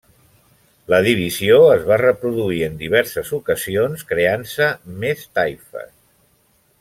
La divisió es va reproduir en diverses ocasions, creant-se més taifes.